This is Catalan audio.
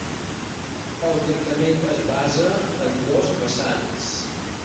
El tractament es basa en dos vessants.